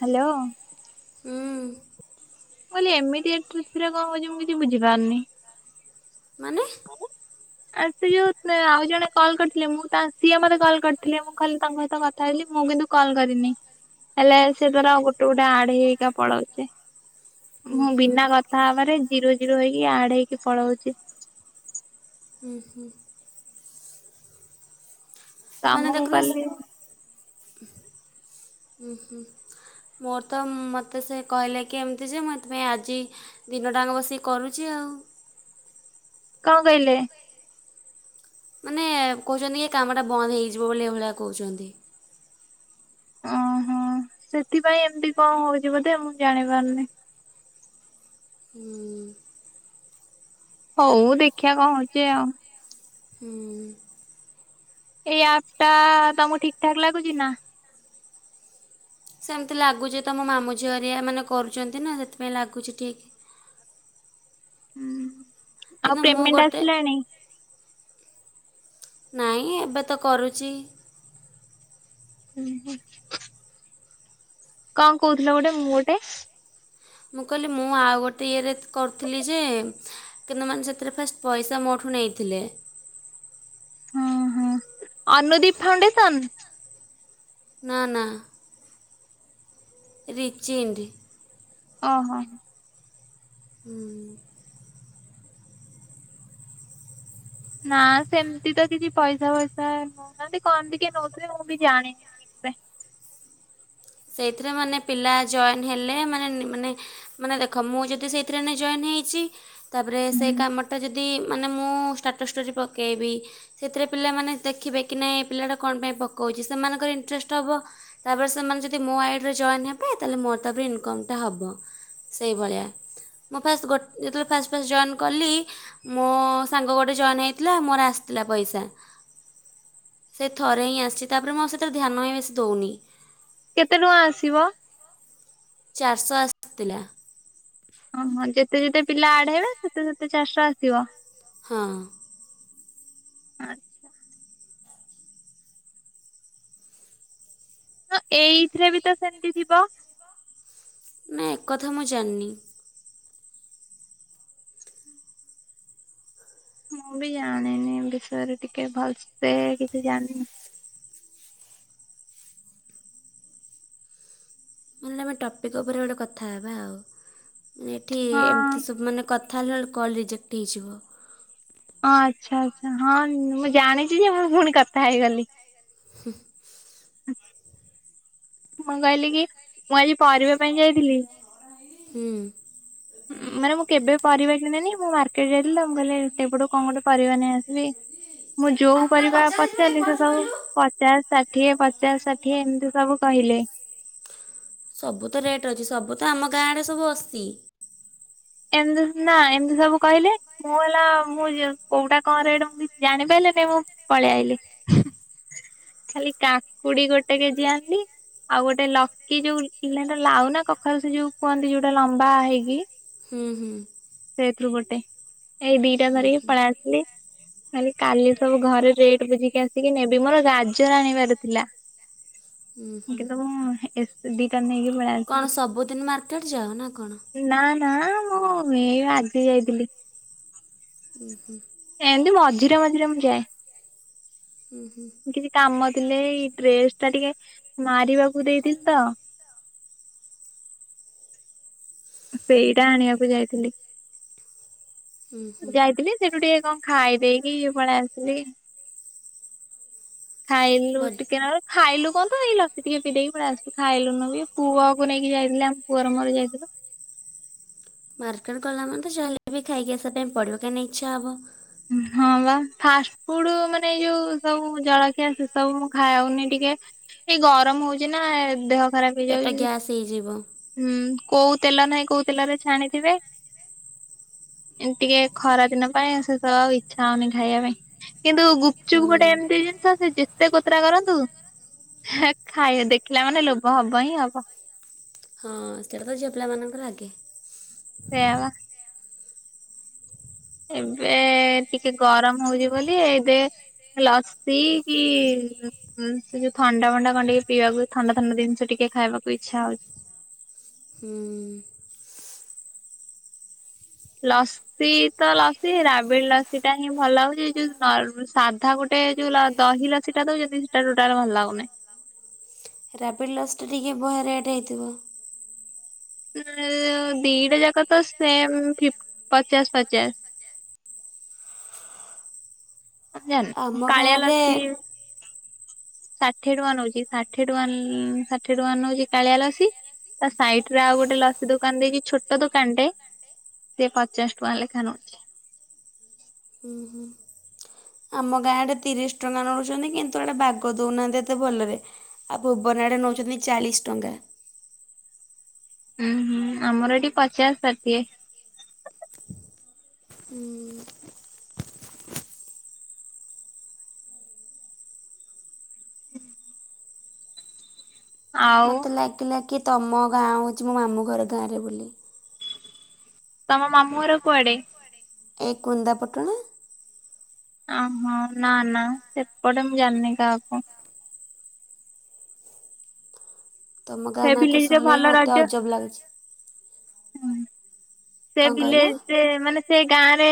Hello. ଉଁ। କହିଲି ଏମିତି [unintelligible] କଅଁ ହଉଛି ମୁଁ କିଛି ବୁଝିପାରୁନି। ମାନେ? ଆରେ ସିଏ ଯୋଉ ଆଉ ଜଣେ କଲ୍ କରିଥିଲେ ମୁଁ ତା ସିଏ ମତେ କଲ୍ କରିଥିଲେ ମୁଁ କାଲି ତାଙ୍କ ସହିତ କଥା ହେଇଥିଲି ମୁଁ କିନ୍ତୁ କଲ୍ କରିନି ହେଲେ ସେ ତାର ଗୋଟେ ଗୋଟେ ଆଡ ହେଇ ହେଇକା ପଳଉଛି। ମୁଁ ବିନା କଥା ହବାରେ ଜିରୋ ଜିରୋ ହେଇକି ଆଡ ହେଇକି ପଳଉଚି। ହୁଁ ହୁଁ। ତମୁକୁ କଲି। ଉଁହୁଁ ମୋର ତ ମୋତେ ସେ କହିଲେ କି ଏମିତି ଯେ ମୁଁ ଏଥିପାଇଁ ଆଜି ଦିନଟାକ ବସିକି କରୁଛି ଆଉ। କଁ କହିଲେ? ଏଁ କହୁଚନ୍ତି କି କାମଟା ବନ୍ଦ ହେଇଯିବ ବୋଲି ଏଇଭଳିଆ କହୁଛନ୍ତି। ଅଁ ହଁ ସେଥିପାଇଁ ଏମିତି କଣ ହଉଛି ବୋଧେ ମୁଁ ଜାଣି ପାରୁନି। ହଉ ଦେଖିଆ କଁ ହଉଛି ଆଉ। ଏଇ ଆପ୍ ଟା ତମକୁ ଠିକ୍ ଠାକ୍ ଲାଗୁଛି ନା। ସେମିତି ଲାଗୁଛି ତମ ମାମୁଁ ଝିଅଅରିଆ ଏମାନେ କରୁଛନ୍ତି ନା ସେଥିପାଇଁ ଲାଗୁଛି ଠିକ୍। ଉଁ। ଆଉ ପେମେଣ୍ଟ ଆସିଲାଣି। ନାଇଁ ଏବେ ତ କରୁଛି। [inaudible] କଣ କହୁଥିଲ ଗୋଟେ ମୁଁ ଗୋଟେ ମୁଁ କହିଲି ମୁଁ ଆଉ ଗୋଟେ ଇଏରେ କରୁଥିଲି ଯେ କିନ୍ତୁ ମାନେ ସେଥିରେ ଫାଷ୍ଟ ପଇସା ମୋଠୁ ନେଇଥିଲେ। ଉଁ ହୁଁ ଅନୁଦୀପ ଫାଉଣ୍ଡେସନ। ନା ନା। ରିଚିଣ୍ଡ୍। ଅ ହ। ହୁଁ। ନା ସେମତି ତ କିଛି ପଇସା ଫଇସା ନଉନାହାନ୍ତି କଣ ଟିକେ ନଉଥିବେ ମୁଁ ବି ଜାଣିନି ଠିକ୍ ସେ। ସେଇଥିରେ ମାନେ ପିଲା ଜଏନ୍ ହେଲେ ମାନେ ମାନେ ମାନେ ଦେଖ ମୁଁ ଯଦି ସେଇଥିରେ ଏନେ ଜଏନ୍ ହେଇଛି। ତାପରେ ସେ କାମଟା ଯଦି ଇମ୍ ମାନେ ମୁଁ ଷ୍ଟାଟସ୍, ଷ୍ଟୋରି ପକେଇବି ସେଥିରେ ପିଲାମାନେ ଦେଖିବେ କି ନାଇଁ ଏ ପିଲାଟା କଣ ପାଇଁ ପକଉଚି ସେମାନଙ୍କର ଇଣ୍ଟରେଷ୍ଟ ହେବ ତାପରେ ସେମାନେ ଯଦି ଯଦି ମୋ ଆଇଡ଼ରେ ଜଏନ୍ ହେବେ ତାହେଲେ ମୋର ତାପରେ ଇନକମ୍ ଟା ହବ ସେଇଭଳିଆ ମୁଁ ଫାଷ୍ଟ ଯେତେବେଳେ ଫାଷ୍ଟ ଫାଷ୍ଟ ଜଏନ୍ କଲି ମୋ ସାଙ୍ଗ ଗୋଟେ ଜଏନ୍ ହେଇଥିଲା ମୋର ଆସିଥିଲା ପଇସା, ସେ ଥରେ ହିଁ ଆସିଛି ତାପରେ ମୁଁ ଆଉ ସେଥିରେ ଧ୍ୟାନ ହିଁ ବେଶି ଦଉନି। କେତେ ଟଙ୍କା ଆସିବ? ଚାରିଶ ଆସିଥିଲା। ଅହ ଯେତେ ଯେତେ ପିଲା ଆଡ୍ ହେବେ ସେତେ ସେତେ ଚାରିଶଅ ଆସିବ। ହଁ। [inaudible] ହ ଏଇଥିରେ ବି ତ ସେମିତି ଥିବ। ନା ଏକ କଥା ମୁଁ ଯନ ମୁଁ ବି ଜାଣିନି ବିଷୟରେ ଟିକେ ଭଲସେ କିଛି ଜାଣିନି। ମେ ଆମେ ଟପିକ ଉପରେ ଗୋଟେ କଥା ହେବା ଆଉ। ଏଠି ଏମିତି ସବୁ ମାନେ କଥା [inaudible] ହ ଆଚଛା ଆଚ୍ଛା ହଁ ମୁଁ ଜାଣିଛି ଯେ ମର ପୁଣି କଥା ହେଇଗଲି। ହୁଁ। ମୁଁ କହିଲି କି ମୁଁ ଆଜି ପରିବା ପାଇଁ ଯାଇଥିଲି। ହୁଁ। ମାନେ ମୁଁ କେବେ ପରିବା କିଣେିନି ମୁଁ ମାର୍କେଟ ଯାଇଥିଲି ମୁଁ କହିଲି ସେପଟୁ କଣ ଗୋଟେ ପରିବା ନେଇ ଆସିବି। ମୁଁ ଯୋଉ କରିବା ପଚାରିଲି ସେ ସବୁ ପଚାଶ ଷାଠିଏ ପଚାଶ ଷାଠିଏ ଏମିତି ସବୁ କହିଲେ। ସବୁ ତ ରେଟ୍ ଅଛି ସବୁ ତ ଆମ ଗାଁଡରେ ସବୁ ଅଛି। ଏମତି ନା ଏମିତି ସବୁ କହିଲେ ମୁଁ ହେଲା ମୁଁ କୋଉଟା କଣ ରେଟ ମୁଁ କିଛି ଜାଣି ପାରିଲ ନାାଇଁ ମୁଁ ପଳେଇ ଆଇଲି ଖାଲି କାକୁଡି ଗୋଟେ କେଜି ଆଣିଲି ଆଉ ଗୋଟେ ଲକି ଯୋଉ ଲାଉନା କଖାଉ ଯୋଉ କୁହନ୍ତି ଯୋଉଟା ଲମ୍ବା ହେଇକି ହୁଁ ହୁଁ। ସେତୁ ଗୋଟେ ଏଇ ଦିଟା ଧରିକି ପଳେଇ ଆସିଲି ମଲି କାଲି ସବୁ ଘରେ ରେଟ ବୁଝିକି ଆସିକି ନେବି ମୋର ରାଜ୍ୟର ଆଣିବାର ଥିଲା। କିତ ମୁ ସେ କଣ ସବୁଦିନ ମାର୍କେଟ ଯାଅ ନା କଣ? ମୁଁ ଏ ଆଜି ଯାଇଥିଲି। ଉୁଁ ହୁଁ। ଏମତି ମଝିରେ ମଝିରେ ମୁଁ ଯାଏ। କିଛି କାମ ଥିଲେ ଏଇ ଡ୍ରେସ ଟା ଟିକେ ମାରିବାକୁ ଦେଇଥିଲି ତ ସେଇଟା ଆଣିବାକୁ ଯାଇଥିଲି। ଯାଇଥିଲି ସେଇଠୁ ଟିକେ କଣ ଖାଇ ଦେଇେଇକି ଏ ପଣ ଆସିବି ଖାଇଲୁ ଟିକେ ନ ଖାଇଲୁ କଣ? ତ ଏଇ ଲସିୀ ଟିକେ ପିଇେଇକି ପଡ ଆସଛି ଖାଇଲୁନୁ ବି ପୁଅକୁ ନେଇକି ଯାଇଥିଲି ଆମ ପୁଅର ମୋର ଯାଇଥିଲୁ। ମାର୍କେଟ ଗଲା ମର ତ ଚାାଲେ ବି ଖାଇକ ଆସିବା ପାଇଁ ପଡ କାହିଁକି ଇଚ୍ଛା ହବ। ହଁ ବା ଫାଷ୍ଟ ଫୁଡ ମାନେ ଏଇ ଯୋଉ ସବୁ ଜଳଖିଆ ସେ ସବୁ ମୁ ଖାଇଉନି ଟିକେ ଏଇ ଗରମ ହଉଛି ନା ଦେହ। ଖରାପ ହେଇଯାଉଛି ହୁଁ। କୋଉ ତେଲ ନାହିଁ କୋଉ ତେଲରେ ଛାଣିଥିବେ ଟିକେ ଖରା ଦିନ ପାଇଁ ସବ ଆଉ ଇଚ୍ଛା ହଉି ଖାଇବା ପାଇଁ। କିନ୍ତୁ ଗୁପଚୁପ ଗୋଟେ ଏମିତିଇଛି। ସେ ଯେତେ କୋତରା କରନ୍ତୁ ଖା ଦେଖିଲା ମାନେ ଲୋଭ ହବ ହିଁ ହବ। [unintelligible] ତ ଝିଅ ପିଲା ମାନଙ୍କୁ ଲାଗେ। ସେଇଆ ବା ଏବେ ଟିକେ ଗରମ ହଉଚି ବୋଲି ଏବେ ଲସି କି ସେ ଯୋଉ ଥଣ୍ଡା ଫଣ୍ଡା କଣ ଟିକେ ପିଇବାକୁ ଥଣ୍ଡା ଥଣ୍ଡା ଜିନିଷ ଟିକେ ଖାଇବାକୁ ଇଚ୍ଛା ହଉ। ଲସି ତ ଲସି ରାବିଡି଼ ଲସି ଟା ହିଁ ଭଲ ଲାଗୁଚି ଏଇ ଯୋଉ ନ ସାଧା ଗୋଟେ ଯୋଉ ଦହି ଲସି ଟା ଦଉଛନ୍ତି ସେଟା ଟୋଟାଲ ଭଲ ଲାଗୁନି। ରାବିଡି଼ ଲସି ଟା ଟିକେ ବହେ ରେଟ୍ ହେଇଥିବ। ଦିଟା ଯାକ ତ ସେମ୍ ଫି ପଚାଶ ପଚାଶ। [unintelligible] କାଳିଆ ଲସି। ଷାଠିଏ ଟଙ୍କା ନଉଚି ଷାଠିଏ ଟଙ୍କା ଷାଠିଏ ଟଙ୍କା ନଉଚି କାଳିଆ ଲସି ତା ସାଇଟ୍ ରେ ଆଉ ଗୋଟେ ଲସି ଦୋକାନ ଦେଇଚି ଛୋଟ ଦୋକାନ ଟେ ସେ ପଚାଶ ଟଙ୍କା ଲେଖା ନଉଚି। ହୁଁ ହୁଁ ଆମ ଗାଁ ଆଡ଼େ ତିରିଶି ଟଙ୍କା ନଉଚନ୍ତି କିନ୍ତୁ ଆଡ଼େ ବାଗ ଦଉନାହାନ୍ତି ଏତେ ଭଲରେ ଆଉ ଭୁବନ ଆଡ଼େ ନଉଚନ୍ତି ଚାଳିଶି ଟଙ୍କା। ଉୁଁ ହୁଁ ଆମର ଏଠି ପଚାଶ୍ ଷାଠିଏ। [unintelligible] ମତେ ଲାଗିଲା କି ତମ ଗାଁ ହଉଚି ମୋ ମାମୁଁ ଘର ଗାଁ ରେ ବୋଲି। ତମ ମାମୁଁ ଘର କୁଆଡ଼େ? ଏଇ କୁନିନ୍ଦା ପଟଣା। ଓହୋ ନା ନା ସେପଟେ ମୁଁ ଜାଣିନି କାହାକୁ। ତମ ଗାଁ ନା ତ ଶୁଣିଲେ ମତେ ଅଜବ ଲାଗୁଚି। ହୁଁ। ସେ ଭିଲେଜ୍ ମାନେ ସେ ଗାଁ ରେ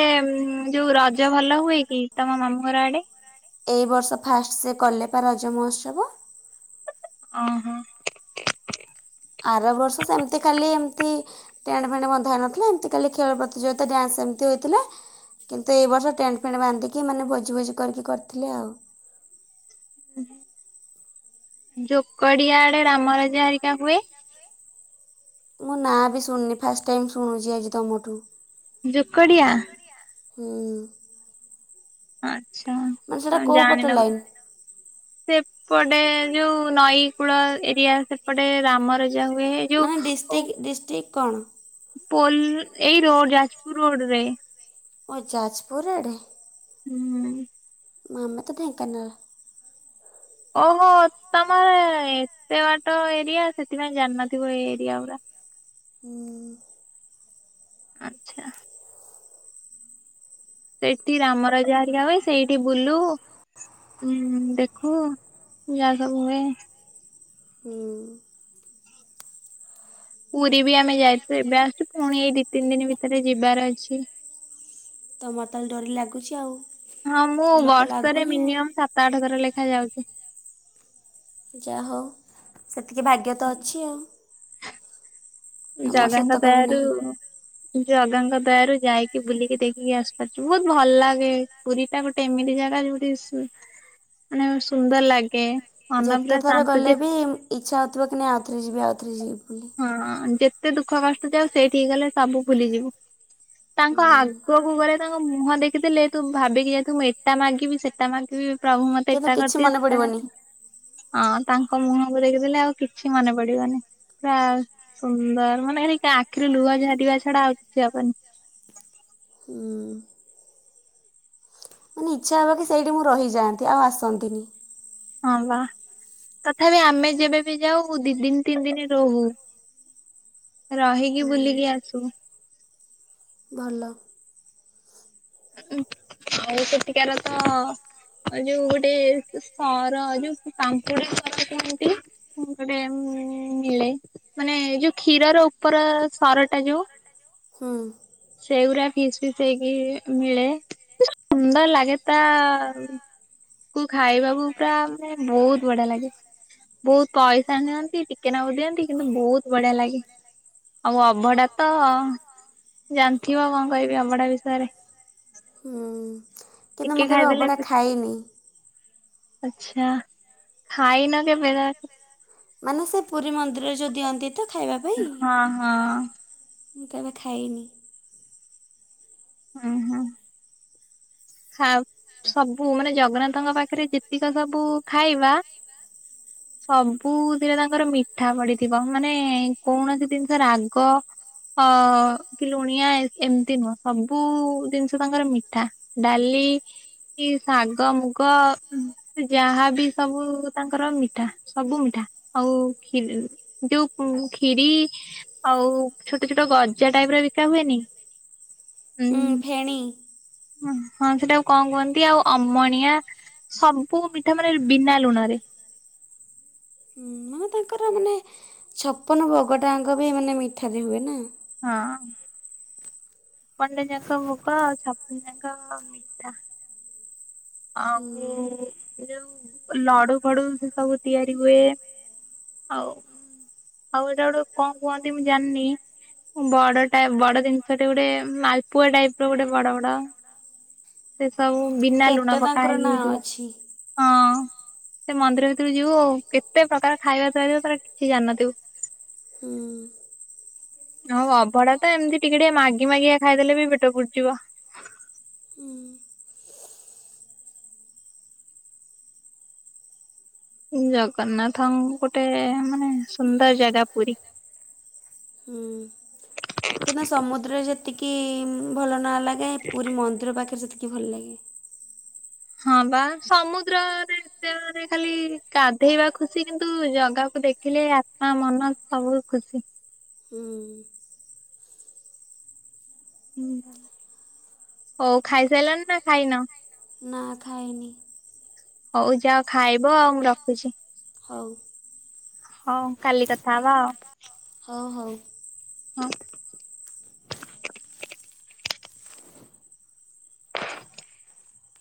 ଯୋଉ ରଜ ଭଲ ହୁଏ କି ତମ ମାମୁଁ ଘର ଆଡ଼େ। ଏଇ ବର୍ଷ ଫାଷ୍ଟ୍ ସେ କଲେପା ରଜ ମହୋତ୍ସବ। ଓ ହୋ। ଆର ବର୍ଷ ସେମିତି ଖାଲି ଏମତି ଟେଣ୍ଟ୍ ଫେଣ୍ଟ୍ ବନ୍ଧା ହେଇନଥିଲା ଏମତି ଖାଲି ଖେଳ ପ୍ରତିଯୋଗିତା ଡ୍ୟାନ୍ସ୍ ଏମିତି ହେଇଥିଲା କିନ୍ତୁ ଏଇ ବର୍ଷ ଟେଣ୍ଟ୍ ଫେଣ୍ଟ୍ ବାନ୍ଧିକି ମାନେ ଭୋଜି ଭୋଜି କରିକି କରିଥିଲେ ଆଉ। ଜୋକଡି଼ଆ ଆଡେ ରାମ ରାଜା ହେରିକା ହୁଏ। ମୁଁ ନାଁ ବି ଶୁଣିନି ଫାଷ୍ଟ୍ ଟାଇମ୍ ଶୁଣୁଚି ଆଜି ତମଠୁ। ଜୋକଡି଼ଆ। ହୁଁ ମାନେ ସେଟା କୋଉ ପଟ ଲାଇନ୍। ସେପଟେ ଯୋଉ ନଈ କୂଳ ଏରିଆ ସେପଟେ ରାମର ଯା ହୁଏ ଯୋଉ ଓଉ କଣ? ପୋଲ୍ ଏଇ ରୋଡ ଯାଜପୁର ରୋଡ ରେ। ଓ ଯାଜପୁର୍ ଆଡେ। ହୁଁମ୍। ମାମା ତ ଢେଙ୍କାନାଳ୍। ଓହୋ। ତମର ଏତେ ବାଟ ଏରିଆ ସେଥିପାଇଁ ଜାଣ ନଥିବ ଏଇ ଏରିଆ ଗୁରା। ଆଛା। ସେଇଠି ରାମରଜା ହେରିକା ହୁଏ। ସେଇଠି ବୁଲୁ ଉହୁଁ ଦେଖୁ ଯାହା ସବୁ ହୁଏ। ପୁରୀ ବି ଆମେ ଯାଇଥିଲୁ ଏବେ ଆସୁ ପୁଣି ଏଇ ଦି ତିନ ଦିନ ଭିତରେ ଯିବାର ଅଛି। ହଁ ମୁଁ ବର୍ଷରେ ମିନିୟମ୍ ସାତ ଆଠ ଥର ଲେଖା ଯାଉଚ। [unintelligible] ଯା ହୋଉ। ସେତିକି ଭାଗ୍ୟ ତ ଅଛି ଆଉ। ଜଗା ଙ୍କ ଦୟାରୁ ଜଗା ଙ୍କ ଦୟାରୁ ଯାଇକି ବୁଲିକି ଦେଖିକି ଆସିପାରୁଚୁ ବହୁତ ଭଲ ଲାଗେ ପୁରୀ ଟା ଗୋଟେ ଏମିତି ଜାଗା ଯୋଉଠି ମାନେ ସୁନ୍ଦର ଲାଗେ। ଯେତେ ଥର ଗଲେ ବି ଇଚ୍ଛାହଉଥିବ କି ନାହିଁ ଆଉ ଥରେ ଯିବି ଆଉଥରେ ଯିବି। ହଁ। ଏତେ ଦୁଃଖ କଷ୍ଟ ଥାଉ ସେଇଠିକି ଗଲେ ସବୁ ଭୁଲିଯିବୁ ତାଙ୍କ ଆଗକୁ ଗଲେ ତାଙ୍କ ମୁହଁ ଦେଖିଦେଲେ ତୁ ଭାବିକି ଯାଇଥିବୁ ମୁଁ ଏଟା ମାଗିବି ସେଟା ମାଗିବି। ପ୍ରଭୁ ମତେ ଏଇଟା କରିଦିଅ ସେଟା କରିଦିଅ। ହଁ ତାଙ୍କ ମୁହଁକୁ ଦେଖିଦଲେ ଆଉ କିଛି ମନେ ପଡିବନି। ପୁରା ସୁନ୍ଦର ମାନେ ହେ ଆଖିରୁ ଲୁହା ଝାଡିବା ଛଡା ଆଉ କିଛି ହବନି। ମାନେ ଇଚ୍ଛା ହେବ କି ସେଇଠି ମୁଁ ରହିଯାଆନ୍ତି ଆଉ ଆସନ୍ତିନି। ହଁ ବା ତଥାପି ଆମେ ଯେବେ ବି ଯାଉ ଦି ଦିନ ତିନି ଦିନ ରହୁ ରହିକି ବୁଲିକି ଆସୁ। ଆଉ ସେଠିକାର ତ ଯୋଉ ଗୋଟେ ସର ଯୋଉ ପାମ୍ପୁଡି ସର କେମତି ଗୋଟେ ମିଳେ ମାନେ ଯୋଉ କ୍ଷୀରର ଉପର ସର ଟା ଯୋଉ। ସେଗୁରା ଫିସ୍ ଫିସ୍ ହେଇକି ମିଳେ ସୁନ୍ଦର ଲାଗେ ତା କୁ ଖାଇବାକୁ ପୁରା ମାନେ ବହୁତ ବଢିଆ ଲାଗେ ବହୁତ ପଇସା ନିଅନ୍ତି ଟିକେ ନାକୁ ଦିଅନ୍ତି କିନ୍ତୁ ବହୁତ ବଢିଆ ଲାଗେ ଆଉ ଅଭଢଡା ତ। ଜାଣିଥିବ କଣ କହିବି ଅଭଢା ବିଷୟରେ। ମୁଁ କେବେ ଅଭଡା ଖାଇନି। ଆଛା ଖାଇ ନା କେବେ? ମାନେ ସେ ପୁରୀ ମନ୍ଦିରରେ ଯୋଉ ଦିଅନ୍ତି ତ ଖାଇବା ପାଇଁ ମୁଁ କେବେ ଖାଇନି। ହଁ ହଁ ଖାଉ ସବୁ ମାନେ ଜଗନ୍ନାଥଙ୍କ ପାଖରେ ଯେତିକ ସବୁ ଖାଇବା ସବୁଥିରେ ତାଙ୍କର ମିଠା ପଡିଥିବ ମାନେ କୌଣସି ଜିନିଷ ରାଗ ଅ କି ଲୁଣିଆ ଏମିତି ନୁହଁ ସବୁ ଜିନିଷ ତାଙ୍କର ମିଠା- ଡାଲି ଶାଗ ମୁଗ ଯାହାବି ସବୁ ତାଙ୍କର ମିଠା ସବୁ ମିଠା ଆଉ ଯୋଉ ଖିରି ଆଉ ଛୋଟ ଛୋଟ ଗଜା ଟାଇପ ର ବିକା ହୁଏନି ହଁ ଫେଣି ହଁ ସେଟାକୁ କଣ କୁହନ୍ତି ଆଉ ଅମଣିଆ ସବୁ ମିଠା ମାନେ ବିନା ଲୁଣରେ ତାଙ୍କର ମାନେ ଛପନ ଭୋଗ ଟା ଆଙ୍କ ପାଇଁ ମାନେ ମିଠା ରେ ହୁଏ ନା? ହଁ [unintelligible] ଯାକ ଭୋଗ ଆଉ [unintelligible] ଯାକ ମିଠା ଆଉ ଯୋଉ ଲଡୁ ଫଡୁ ସେ ସବୁ ତିଆରି ହୁଏ ଆଉ ଆଉ ଏଇଟା ଗୋଟେ କଣ କୁହନ୍ତି ମୁଁ ଜାଣିନି ବଡ ଟା ବଡ ଜିନିଷ ଟେ ଗୋଟେ ମାଲପୁଆ ଟାଇପ ର ଗୋଟେ ବଡ ବଡ ସେ ସବୁ ବିିନା ଲୁଣ ଙ୍କର ନା ଅଛି ହଁ ସେ ମନ୍ଦିର ଭିତରୁ ଯିବୁ କେତେ ପ୍ରକାର ଖାଇବା ପାଇବୁ ତାର କିଛି ଜାଣିନଥିବୁ ହଁ ଅଭଡା ତ ଏମିତି ଟିକେ ଟିକେ ମାଗି ମାଗିକା ଖାଇଦେଲେ ବି ପେଟ ପୁରୀଯିବ। ଜଗନ୍ନାଥଙ୍କ ଗୋଟେ ମାନେ ସୁନ୍ଦର ଜାଗା ପୁରୀ କିନା ସମୁଦ୍ରରେ ଯେତିକି ଭଲ ନ ଲାଗେ ପୁରୀ ମନ୍ଦିର ପାଖରେ ସେତି ଭଲ ଲାଗେ। ହଁ ବା ସମୁଦ୍ରରେ ଏତେ ମାନେ ଖାଲି ଗାଧେଇବା ଖୁସି କିନ୍ତୁ ଜଗାକୁ ଦେଖିଲେ ଆତ୍ମା ମନ ସବୁ ଖୁସି। ହୁଁ ହଉ ଖାଇସଲ ନା ଖାଇନ? ହଉ ଯାଅ ଖାଇବ ଆଉ ମୁ ରଖୁଛି ହଉ କାଲି କଥା ହବା ଆଉ। ହଁ